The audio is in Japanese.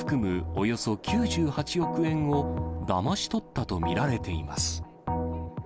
およそ９８億円をだまし取ったと見られています。